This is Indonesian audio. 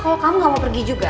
kalo kamu gak mau pergi juga